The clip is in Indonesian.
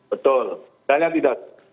betul misalnya tidak